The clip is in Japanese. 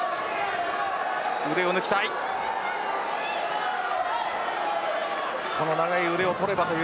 腕を抜きたい。